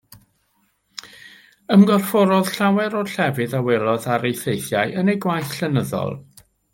Ymgorfforodd llawer o'r llefydd a welodd ar ei theithiau yn ei gwaith llenyddol.